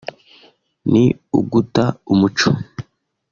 ni uguta umuco’’